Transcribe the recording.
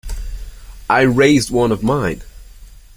I raised one of mine.